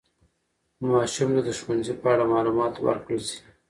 ماشوم ته د ښوونځي په اړه معلومات ورکړل شي.